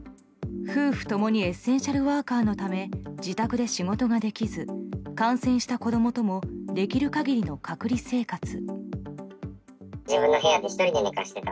夫婦共にエッセンシャルワーカーのため自宅で仕事ができず感染した子供ともできる限りの隔離生活。